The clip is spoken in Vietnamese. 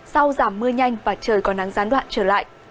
sau giảm mưa nhanh và trời có nắng gián đoạn trở lại